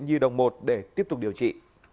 bệnh viện như đồng một để tiếp tục điều trị